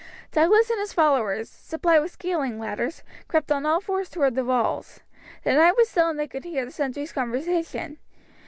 Douglas and his followers, supplied with scaling ladders, crept on all fours towards the walls. The night was still and they could hear the sentries' conversation.